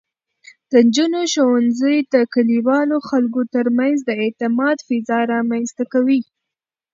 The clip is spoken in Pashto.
د نجونو ښوونځی د کلیوالو خلکو ترمنځ د اعتماد فضا رامینځته کوي.